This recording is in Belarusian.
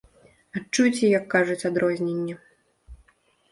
Адчуйце, як кажуць, адрозненне!